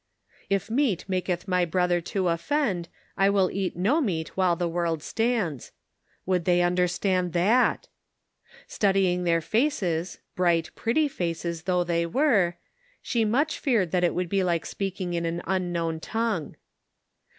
"If meat maketh my brother to offend, I will eat no meat while the world stands." Would they understand that? Studying their faces — bright, pretty faces, though they were — she much feared that it would be like speaking in an unknown tongue.